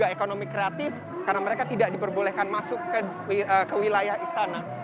ekonomi kreatif karena mereka tidak diperbolehkan masuk ke wilayah istana